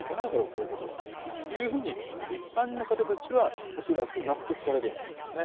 こういうことはというふうに一般の方たちは恐らく納得されるんだと思うんですね。